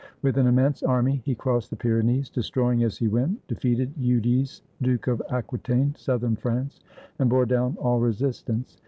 With an immense army he crossed the Pyrenees, destroying as he went, defeated Eudes, Duke of Aquitaine (southern France), and bore down all resistance.